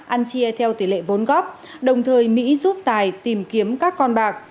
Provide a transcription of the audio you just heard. ăn chia theo tỷ lệ vốn góp đồng thời mỹ giúp tài tìm kiếm các con bạc